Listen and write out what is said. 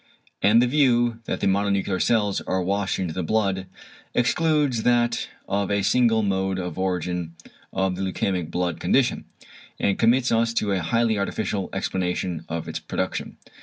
And the view, that the mononuclear cells are washed into the blood, excludes that of a single mode of origin of the leukæmic blood condition; and commits us to a highly artificial explanation of its production.